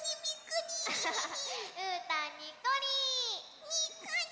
うーたんにっこり！